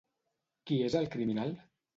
Qui és el criminal?